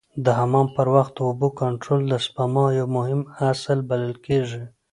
د حمام پر وخت د اوبو کنټرول د سپما یو مهم اصل بلل کېږي.